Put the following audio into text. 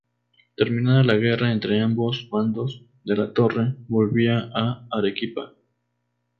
Terminada la guerra entre ambos bandos, de la Torre volvía a Arequipa.